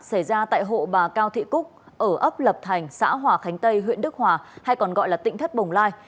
xảy ra tại hộ bà cao thị cúc ở ấp lập thành xã hòa khánh tây huyện đức hòa hay còn gọi là tỉnh thất bồng lai